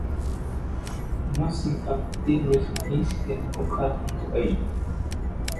Nothing but these little incidents occurred on the way.